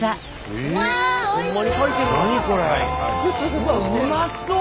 うわっうまそう！